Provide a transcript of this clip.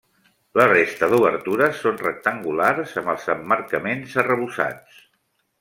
La resta d'obertures són rectangulars, amb els emmarcaments arrebossats.